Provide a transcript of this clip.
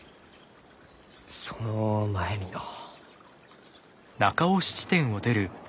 その前にのう。